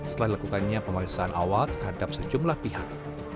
setelah dilakukannya pemeriksaan awal terhadap sejumlah pihak